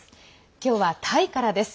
今日はタイからです。